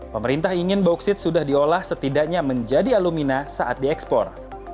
pemerintah ingin bauksit sudah diolah setidaknya menjadi alumina saat diekspor